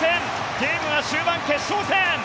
ゲームは終盤、決勝戦。